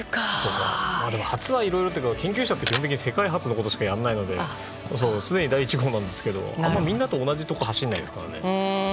初はいろいろだけど研究者って基本的に世界初のことしかやらないので常に第１号なんですけどあまりみんなと同じところを走らないですからね。